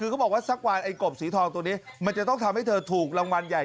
เอ่อครับเขาก็บอกว่าเป็นกบสีทองก็จะทำให้ถูกรางวัลใหญ่